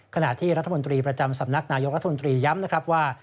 ขณะที่รัฐมนตรีประจำสำนักนายกรัฐมนตรีย้ำนะครับว่า